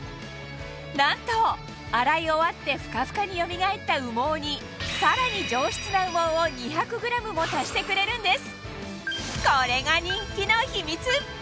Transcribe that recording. なんと洗い終わってフカフカによみがえった羽毛にさらに上質な羽毛を２００ｇも足してくれるんです